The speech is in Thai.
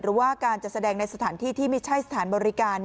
หรือว่าการจัดแสดงในสถานที่ที่ไม่ใช่สถานบริการ